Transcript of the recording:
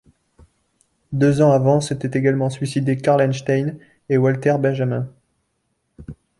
Deux ans avant s'étaient également suicidés Carl Einstein et Walter Benjamin.